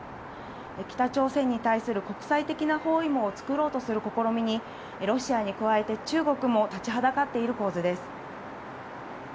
北朝鮮に対する国際的な包囲網を作ろうとする試みにロシアに加えて中国も立ちはだかっている構図です。